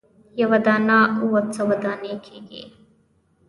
یوه دانه اووه سوه دانې کیږي.